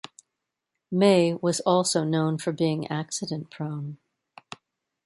May was also known for being accident prone.